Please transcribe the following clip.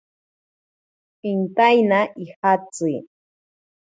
Intaina ijatsi.